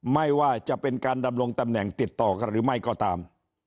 ไม่ว่าจะเป็นการดำรงตำแหน่งติดต่อกันหรือไม่ก็ตาม